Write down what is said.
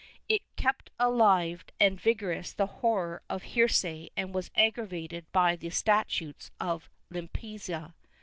It kept alive and vigorous the horror of heresy and was aggravated by the statutes of Limpieza.